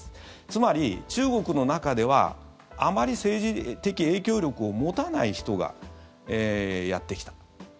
つまり、中国の中ではあまり政治的影響力を持たない人がやってきた。